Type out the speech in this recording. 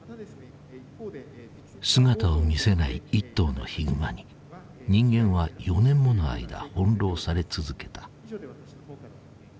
姿を見せない一頭のヒグマに人間は４年もの間翻弄され続けた。